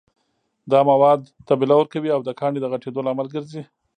دا مواد تبلور کوي او د کاڼي د غټېدو لامل ګرځي.